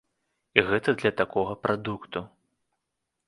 І гэта для такога прадукту!